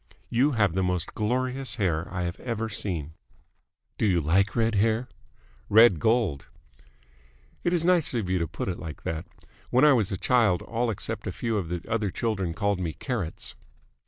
You have the most glorious hair I have ever seen!" "Do you like red hair?" "Red gold." "It is nice of you to put it like that. When I was a child all except a few of the other children called me Carrots."